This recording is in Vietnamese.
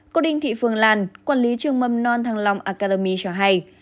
cô đinh thị phương lan quản lý trường mầm non thăng long academy cho hay